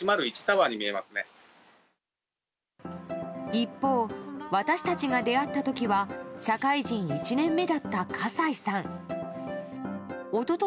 一方、私たちが出会った時は社会人１年目だった河西さん。